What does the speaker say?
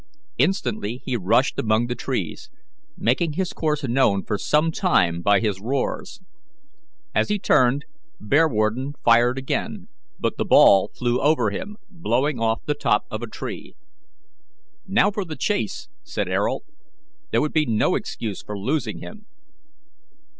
Instantly he rushed among the trees, making his course known for some time by his roars. As he turned, Bearwarden fired again, but the hall flew over him, blowing off the top of a tree. "Now for the chase!" said Ayrault. "There would be no excuse for losing him."